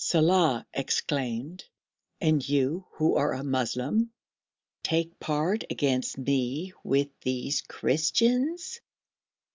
Saleh exclaimed, 'And you, who are a Moslem, take part against me with these Christians!'